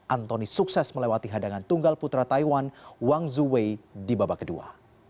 antoni sukses melewati hadangan tunggal putra taiwan wang zu wei di babak kedua